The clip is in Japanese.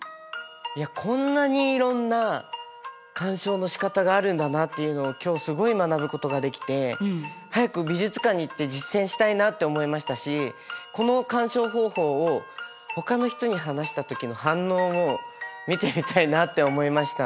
こんなにいろんな鑑賞のしかたがあるんだなっていうのを今日すごい学ぶことができて早く美術館に行って実践したいなって思いましたしこの鑑賞方法をほかの人に話した時の反応を見てみたいなって思いました。